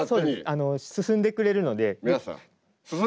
進んでくれるので。